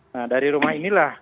nah dari rumah inilah